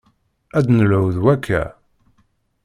Ad d-nelhu d wakka.